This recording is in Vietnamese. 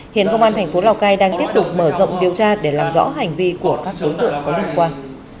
hiện công an tp lào cai đang tiếp tục mở rộng điều tra để làm rõ hành vi của các tổng tượng có dân quan